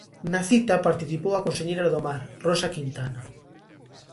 Na cita participou a conselleira do Mar, Rosa Quintana.